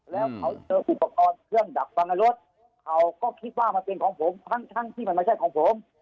แล้วเขาเจออุปกรณ์เครื่องดักฟังในรถเขาก็คิดว่ามันเป็นของผมทั้งที่มันไม่ใช่ของผม